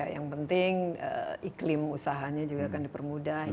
yang penting iklim usahanya juga akan dipermudah